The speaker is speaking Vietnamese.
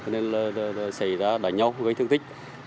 nên là xảy ra đánh nhau gây thương tích